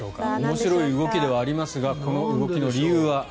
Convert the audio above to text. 面白い動きではありますがこの動きの理由は。